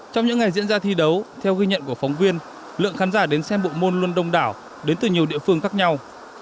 trong những ngày diễn ra thi đấu theo ghi nhận của phóng viên lượng khán giả đến xem bộ môn luôn đông đảo đến từ nhiều địa phương khác nhau